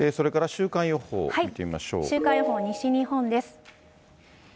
週間予報、西日本です。